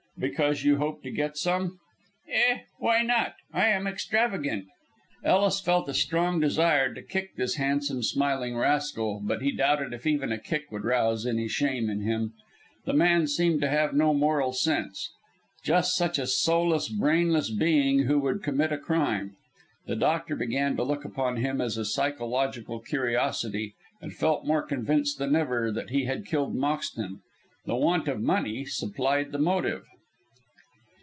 "Because you hope to get some?" "Eh! why not? I am extravagant." Ellis felt a strong desire to kick this handsome, smiling rascal, but he doubted if even a kick would rouse any shame in him. The man seemed to have no moral sense; just such a soulless, brainless being who would commit a crime. The doctor began to look upon him as a psychological curiosity, and felt more convinced than ever that he had killed Moxton. The want of money supplied the motive.